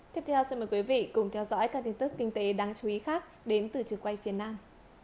tiếp theo xin mời quý vị cùng theo dõi các tin tức kinh tế đáng chú ý khác đến từ trường quay phía nam